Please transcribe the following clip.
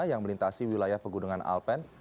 yang melintasi wilayah pegunungan alpen